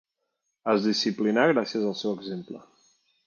Es disciplinà gràcies al seu exemple.